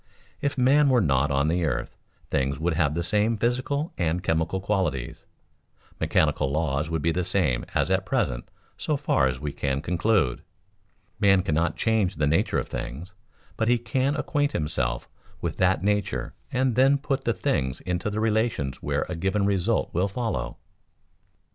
If man were not on the earth, things would have the same physical and chemical qualities, mechanical laws would be the same as at present so far as we can conclude. Man cannot change the nature of things; but he can acquaint himself with that nature and then put the things into the relations where a given result will follow.